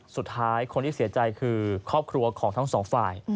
สุดท้ายคนที่เสียใจคือครอบครัวของทั้งสองฝ่าย